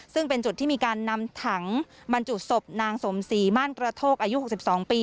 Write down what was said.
ซึ่งเป็นจุดที่มีการนำถังบรรจุศพนางสมศรีม่านกระโทกอายุ๖๒ปี